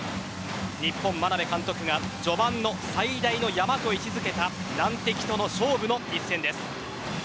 日本、眞鍋監督が序盤の最大の山と位置づけた難敵との勝負の一戦です。